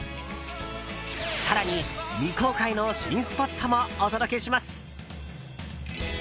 更に、未公開の新スポットもお届けします。